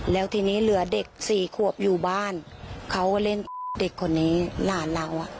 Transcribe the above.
แล้วทีนี้เหลือเด็กสี่ขวบอยู่บ้านเขาก็เล่นเด็กคนนี้หลานเรา